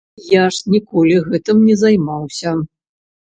Я ж ніколі гэтым не займаўся.